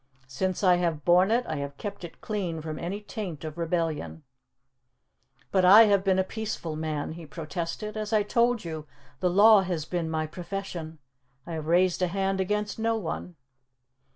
Since I have borne it, I have kept it clean from any taint of rebellion." "But I have been a peaceful man," he protested. "As I told you, the law has been my profession. I have raised a hand against no one."